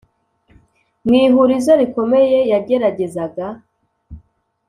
mwihurizo rikomeye yageragezaga